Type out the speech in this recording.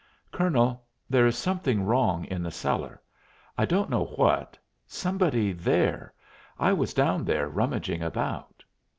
"Colonel, there is something wrong in the cellar; I don't know what somebody there. I was down there rummaging about."